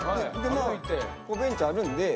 ベンチあるんで座って。